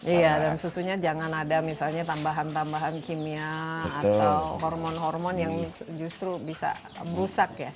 iya dan susunya jangan ada misalnya tambahan tambahan kimia atau hormon hormon yang justru bisa rusak ya